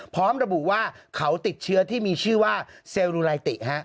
พร้อมระบุว่าเขาติดเชื้อที่มีชื่อว่าเซลลูไลติ